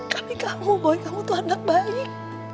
tapi kamu boy kamu tuh anak baik